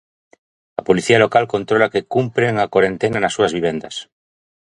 A Policía Local controla que cumpren a corentena nas súas vivendas.